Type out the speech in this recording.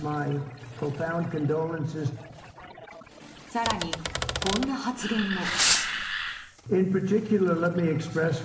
更に、こんな発言も。